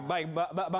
bang willy silahkan